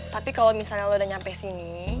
tapi kalau misalnya lo udah nyampe sini